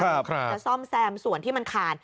จะซ่อมแซมส่วนที่มันขาด